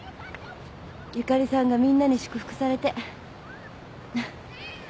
ゆかりさんがみんなに祝福されて。